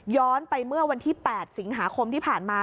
ไปเมื่อวันที่๘สิงหาคมที่ผ่านมา